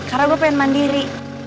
karena gue pengen mandiri